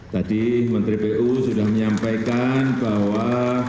tadi menteri pu sudah menyampaikan bahwa